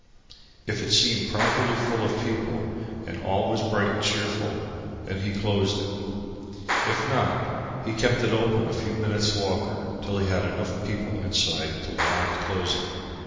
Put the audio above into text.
If it seemed properly full of people and all was bright and cheerful, then he closed it. If not, he kept it open a few minutes longer till he had enough people inside to warrant closing.